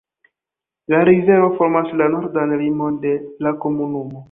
La rivero formas la nordan limon de la komunumo.